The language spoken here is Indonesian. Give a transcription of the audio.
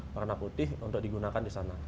warna putih untuk digunakan di sana